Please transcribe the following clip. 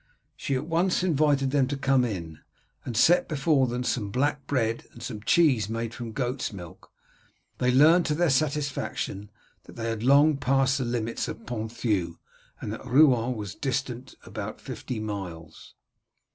She at once invited them to come in, and set before them some black bread and some cheese made from goats' milk. They learned to their satisfaction that they had long passed the limits of Ponthieu, and that Rouen was distant about fifty miles.